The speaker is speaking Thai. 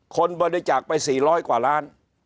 คนบริจาคไปสี่ร้อยกว่าล้าน